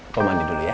aku mandi dulu ya